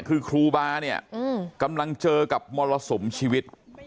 คือครูบาร์เนี้ยอืมกำลังเจอกับมอลสมชีวิต